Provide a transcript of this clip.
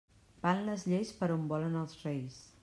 Van les lleis per on volen els reis.